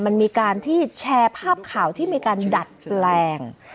มันมีการที่แชร์ภาพข่าวที่มีการดัดแปลง